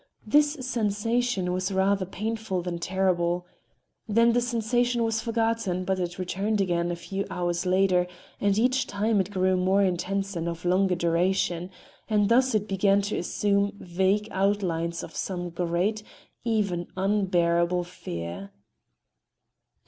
This sensation was rather painful than terrible. Then the sensation was forgotten, but it returned again a few hours later, and each time it grew more intense and of longer duration, and thus it began to assume vague outlines of some great, even unbearable fear.